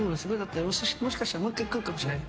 もしかしたらもう１回来るかもしれない。